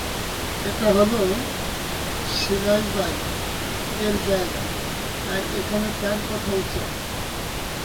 এটা হলো শিলাবাই এর জায়গা, আর এখানে তার কথাই চলে!